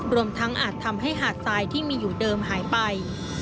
รวมทั้งอาจทำให้หาดทรายที่มีอยู่เดิมหายไป